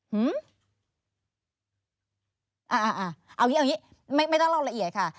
หื้มอ่าอ่าอ่าเอาอย่างงี้เอาอย่างงี้ไม่ไม่ต้องเล่าละเอียดค่ะ